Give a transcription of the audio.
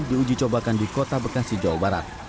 diuji cobakan di kota bekasi jawa barat